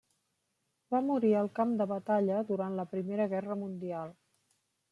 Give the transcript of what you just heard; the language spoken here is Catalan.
Va morir al camp de batalla durant la Primera Guerra Mundial.